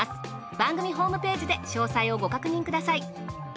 番組ホームページで詳細をご確認ください。